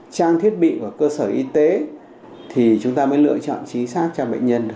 trang thiết bị của cơ sở y tế thì chúng ta mới lựa chọn chính xác cho bệnh nhân